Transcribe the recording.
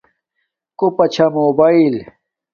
کوپا چھا موباݵل